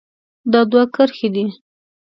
دا دوه کرښې دي.